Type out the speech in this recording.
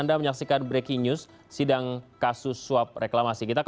kami tidak bisa nunggu pak kalau banjir pak